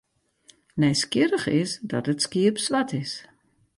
Nijsgjirrich is dat it skiep swart is.